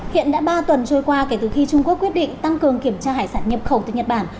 hiện đã ba tuần trôi qua kể từ khi trung quốc quyết định tăng cường kiểm tra hải sản nhập khẩu từ nhật bản